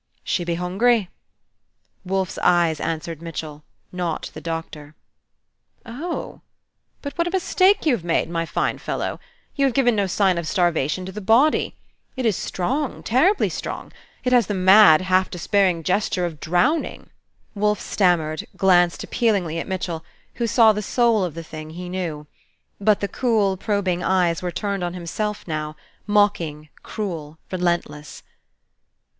"She be hungry." Wolfe's eyes answered Mitchell, not the Doctor. "Oh h! But what a mistake you have made, my fine fellow! You have given no sign of starvation to the body. It is strong, terribly strong. It has the mad, half despairing gesture of drowning." Wolfe stammered, glanced appealingly at Mitchell, who saw the soul of the thing, he knew. But the cool, probing eyes were turned on himself now, mocking, cruel, relentless.